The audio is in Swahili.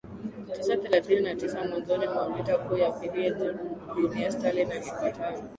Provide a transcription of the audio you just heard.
tisa thelathini na tisa mwanzoni mwa vita kuu ya pili ya dunia Stalin alipatani